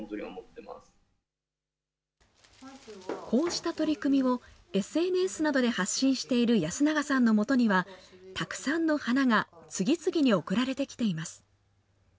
こうした取り組みをＳＮＳなどで発信している安永さんの元には、たくさんの花が次々に送られてきています。